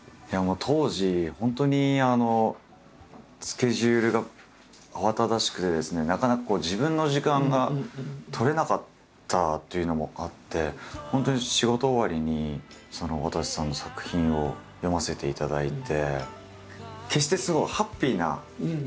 当時本当にスケジュールが慌ただしくてですねなかなか自分の時間が取れなかったというのもあって本当に仕事終わりにわたせさんの作品を読ませていただいて。